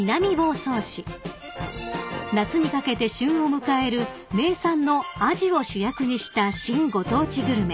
［夏にかけて旬を迎える名産のアジを主役にした新ご当地グルメ